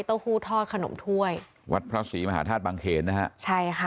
หู้ทอดขนมถ้วยวัดพระศรีมหาธาตุบังเขนนะฮะใช่ค่ะ